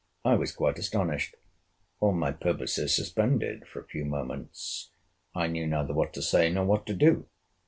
I was quite astonished.—All my purposes suspended for a few moments, I knew neither what to say, nor what to do.